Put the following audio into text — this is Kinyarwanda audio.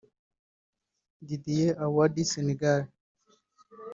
Didier Awadi (Sénégal)